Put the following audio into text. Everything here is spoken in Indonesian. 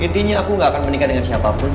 intinya aku gak akan menikah dengan siapapun